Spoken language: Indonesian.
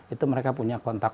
itu mereka punya kontak